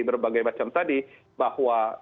berbagai macam tadi bahwa